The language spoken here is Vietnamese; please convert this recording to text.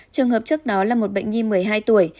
trường hợp trước đó là một bệnh nhi một mươi hai tuổi